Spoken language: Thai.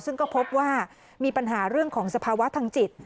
ซึ่งก็พบว่ามีปัญหาเรื่องของสภาวะทางจิต